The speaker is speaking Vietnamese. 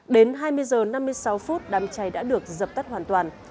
đến hai mươi h năm mươi sáu phút đám cháy đã được dập tắt hoàn toàn